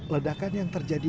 ledakan yang terjadi